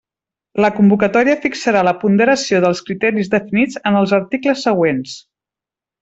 La convocatòria fixarà la ponderació dels criteris definits en els articles següents.